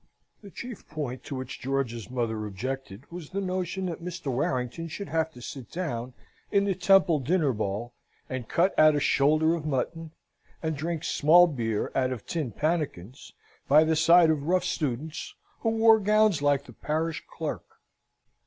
The chief point to which George's mother objected was the notion that Mr. Warrington should have to sit down in the Temple dinner ball, and cut at a shoulder of mutton, and drink small beer out of tin pannikins, by the side of rough students who wore gowns like the parish clerk.